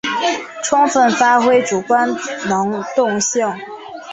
充分发挥主观能动性